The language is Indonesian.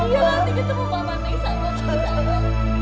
iya nanti ketemu mama